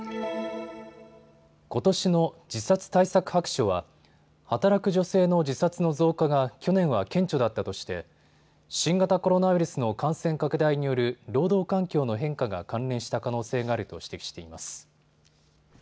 ことしの自殺対策白書は働く女性の自殺の増加が去年は顕著だったとして新型コロナウイルスの感染拡大による労働環境の変化が関連した可能性があると指摘しています。